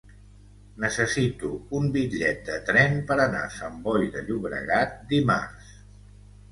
Necessito un bitllet de tren per anar a Sant Boi de Llobregat dimarts.